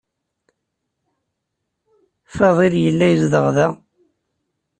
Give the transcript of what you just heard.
Fadil yella yezdeɣ da.